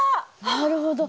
なるほど。